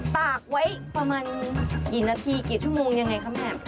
ตากไว้ประมาณกี่นาทีกี่ชั่วโมงยังไงคะแม่